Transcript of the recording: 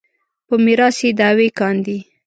په میراث یې دعوې کاندي.